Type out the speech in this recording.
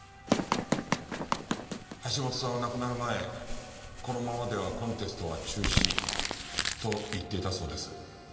橋本さんは亡くなる前このままではコンテストは中止と言っていたそうです。